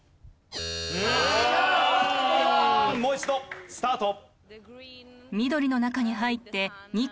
うんもう一度スタート。